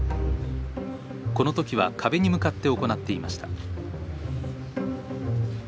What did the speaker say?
この時は壁に向かって行っていました。